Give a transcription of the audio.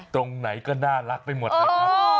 ตรงไหนก็น่ารักไปหมดเลยครับ